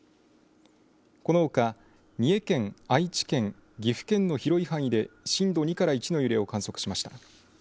このほか三重県愛知県、岐阜県の広い範囲で震度２から１の揺れを観測しました。